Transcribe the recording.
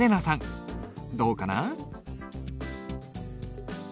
どうかな？